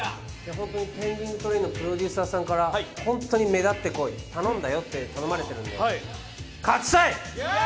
僕、「ペンディングトレイン」のプロデューサーさんから目立ってこい、頼んだよって頼まれているので、勝ちたい！